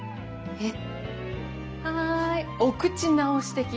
えっ？